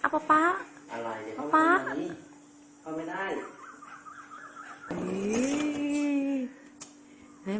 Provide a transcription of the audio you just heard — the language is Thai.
ป่าวป่าวป่าวป่าวไม่ได้นี่นี่นี่นี่นี่นี่นี่นี่นี่นี่นี่